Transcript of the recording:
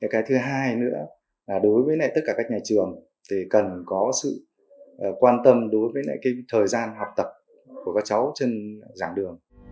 cái thứ hai nữa là đối với tất cả các nhà trường thì cần có sự quan tâm đối với lại cái thời gian học tập của các cháu trên dạng đường